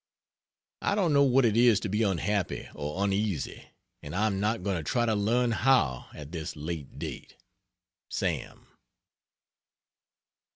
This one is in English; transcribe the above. I don't know what it is to be unhappy or uneasy; and I am not going to try to learn how, at this late day. SAM.